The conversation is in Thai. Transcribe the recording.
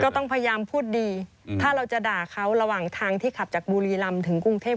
ต้องพยายามพูดดีถ้าเราจะด่าเขาระหว่างทางที่ขับจากบุรีรำถึงกรุงเทพ